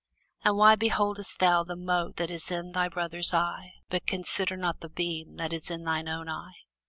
And why beholdest thou the mote that is in thy brother's eye, but considerest not the beam that is in thine own eye?